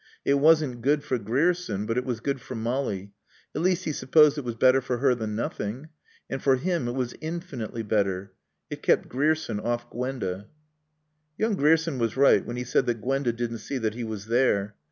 It wasn't good for Grierson but it was good for Molly. At least, he supposed it was better for her than nothing. And for him it was infinitely better. It kept Grierson off Gwenda. Young Grierson was right when he said that Gwenda didn't see that he was there.